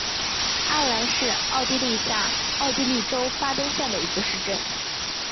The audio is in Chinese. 阿兰是奥地利下奥地利州巴登县的一个市镇。